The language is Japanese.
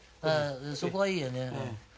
そこはいいよね。